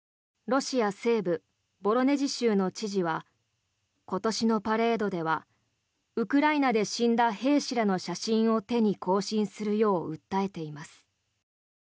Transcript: ロシア西部ボロネジ州の知事は今年のパレードではウクライナで死んだ兵士らの写真を手に行進するよう訴えています。